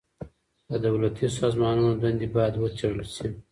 د دولتي سازمانونو دندي بايد وڅېړل سي.